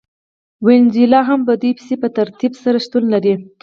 وینزویلا هم په دوی پسې په ترتیب سره شتون لري.